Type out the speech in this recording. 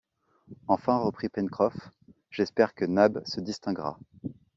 Enfin, reprit Pencroff, j’espère que Nab se distinguera.